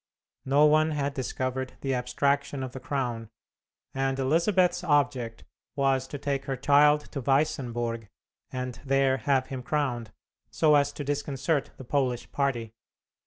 No one had discovered the abstraction of the crown, and Elizabeth's object was to take her child to Weissenburg, and there have him crowned, so as to disconcert the Polish party.